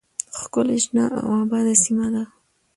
ښکلې شنه او آباده سیمه ده